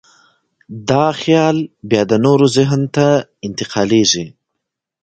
دا خیال بیا د نورو ذهن ته انتقالېږي.